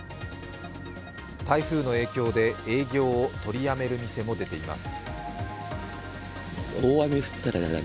台風の影響で営業を取りやめる店も出ています。